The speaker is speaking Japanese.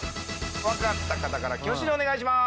分かった方から挙手でお願いしまーす